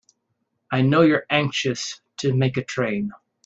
I know you're anxious to make a train.